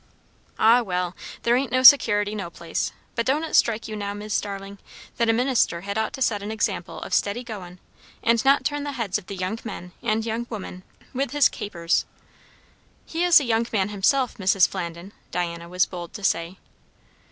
"Ah, well! there ain't no security, no place; but don't it strike you, now, Mis' Starling, that a minister had ought to set an example of steady goin', and not turn the heads of the young men, and young women, with his capers?" "He is a young man himself, Mrs. Flandin," Diana was bold to say.